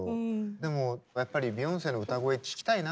でもやっぱりビヨンセの歌声聴きたいな。